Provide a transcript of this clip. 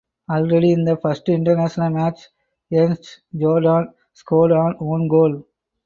Already in the first international match Ernst Jordan scored an own goal.